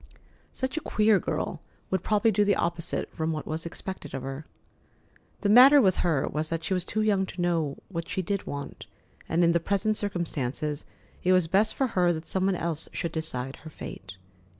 Such a queer girl would probably do the opposite from what was expected of her. The matter with her was that she was too young to know what she did want, and in the present circumstances it was best for her that some one else should decide her fate.